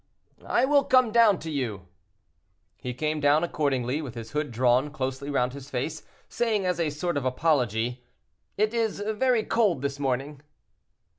"I will come down to you." He came down accordingly, with his hood drawn closely round his face, saying, as a sort of apology, "It is very cold this morning."